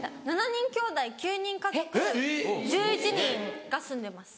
７人きょうだい９人家族１１人が住んでます。